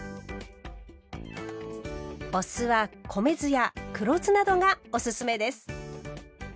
お酢は米酢や黒酢などがおすすめです。